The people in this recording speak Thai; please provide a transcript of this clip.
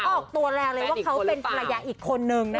เขาออกตัวแรงเลยว่าเขาเป็นภรรยาอีกคนนึงนะคะ